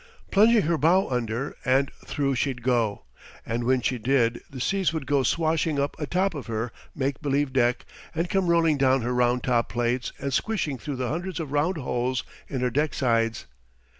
Plunging her bow under, and through she'd go; and when she did the seas would go swashing up atop of her make believe deck and come rolling down her round top plates and squishing through the hundreds of round holes in her deck sides.